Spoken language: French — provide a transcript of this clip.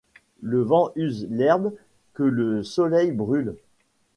Le vent use l’herbe que le soleil brûle.